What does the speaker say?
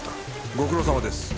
ご苦労さまです。